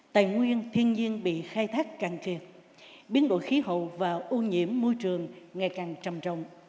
tài nguyên thiên nhiên bị khai thác càng kiệt biến đổi khí hậu và ô nhiễm môi trường ngày càng trầm trọng